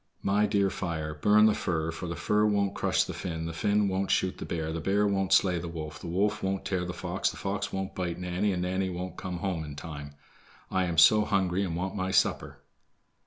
"My dear fire, burn the fir, for the fir won't crush the Finn, the Finn won't shoot the bear, the bear won't slay the wolf, the wolf won't tear the fox, the fox won't bite Nanny, and Nanny won't come home in time. I am so hungry and want my supper."